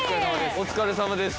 お疲れさまです。